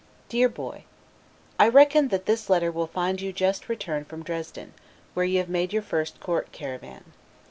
DEAR BOY: I reckon that this letter will find you just returned from Dresden, where you have made your first court caravanne.